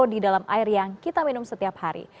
di dalam air yang kita minum setiap hari